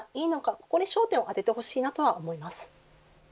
ここに焦点を当ててほしいなと思います。